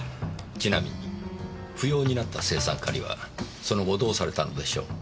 ちなみに不要になった青酸カリはその後どうされたのでしょう？